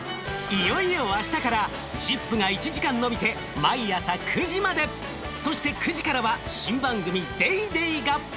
いよいよ明日から『ＺＩＰ！』が１時間延びて毎朝９時までそして９時からは新番組『ＤａｙＤａｙ．』が！